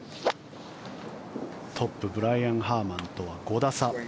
トップブライアン・ハーマンとは５打差。